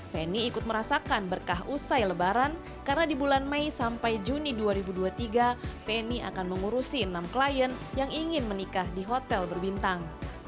feni ikut merasakan berkah usai lebaran karena di bulan mei sampai juni dua ribu dua puluh tiga feni akan mengurusi enam klien yang ingin menikah di hotel berbintang